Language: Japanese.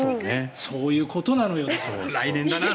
そういうことなのよ。